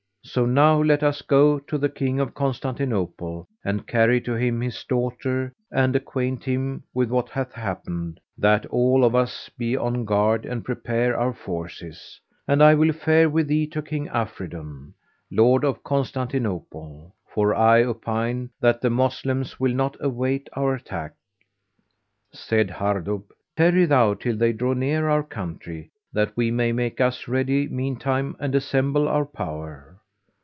So now let us go to the King of Constantinople and carry to him his daughter and acquaint him with what hath happened, that all of us be on guard and prepare our forces; and I will fare with thee to King Afridun, Lord of Constantinople, for I opine that the Moslems will not await our attack." Said Hardub, "Tarry thou till they draw near our country, that we may make us ready meantime and assemble our power."